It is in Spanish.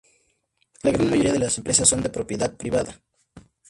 La gran mayoría de las empresas son de propiedad privada.